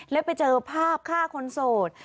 แล้วไปเจอภาพฆ่าคนโสด